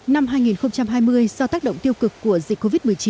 năm hai nghìn hai mươi do tác động tiêu cực của dịch covid một mươi chín